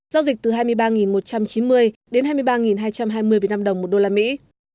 giao dịch từ hai mươi ba một trăm chín mươi đến hai mươi ba hai trăm hai mươi việt nam đồng một đô la mỹ